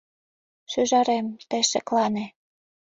Шӱжарем, тый шеклане.